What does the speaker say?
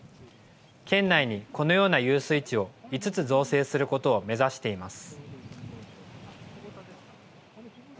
県内にこのような遊水池を５つ造成することを目指しています。